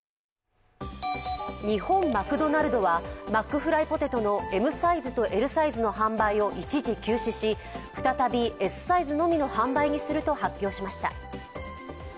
日本マクドナルドはマックフライポテトのＭサイズとＬサイズの販売を一時休止し、再びＳサイズのみの販売にすると発表しました。